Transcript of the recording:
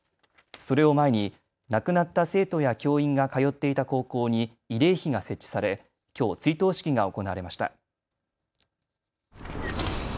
それを前に亡くなった生徒や教員が通っていた高校に慰霊碑が設置され、きょう追悼式が行われました。